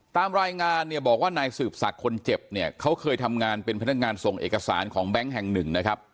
ตามรายงานเนี่ยบอกว่านายสืบศักดิ์คนเจ็บเนี่ยเขาเคยทำงานเป็นพนักงานส่งเอกสารของแบงค์แห่งหนึ่งนะครับ